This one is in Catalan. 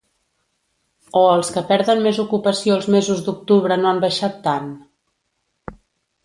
O els que perden més ocupació els mesos d’octubre no han baixat tant?